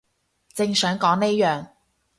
正想講呢樣